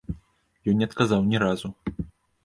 Ён не адказаў ні разу.